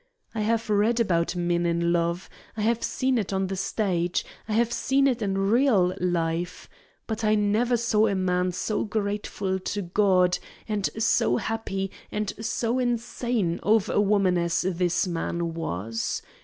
I have read about men in love, I have seen it on the stage, I have seen it in real life, but I never saw a man so grateful to God and so happy and so insane over a woman as this man was.